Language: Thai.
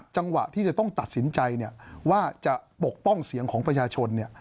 จังหวะที่จะต้องตัดสินใจว่าจะปกป้องเสียงของประชาชน